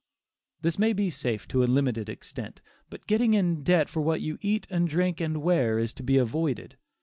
This may be safe to a limited extent, but getting in debt for what you eat and drink and wear is to be avoided.